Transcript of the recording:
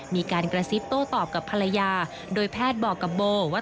มีการกระซิบโต้ตอบกับภรรยาโดยแพทย์บอกกับโบว่า